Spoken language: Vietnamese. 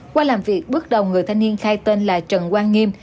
qua làm việc bước đầu người thanh niên khai tên là trần quang nghiêm